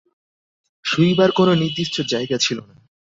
শুইবার কোনো নির্দিষ্ট জায়গা ছিল না।